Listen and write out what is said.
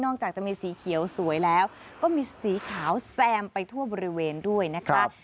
จากจะมีสีเขียวสวยแล้วก็มีสีขาวแซมไปทั่วบริเวณด้วยนะคะ